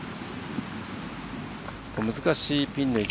難しいピンの位置。